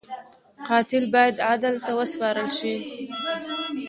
قاتل باید عدل ته وسپارل شي